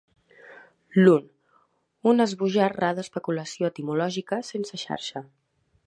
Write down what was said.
L'un, una esbojar rada especulació etimològica sense xarxa.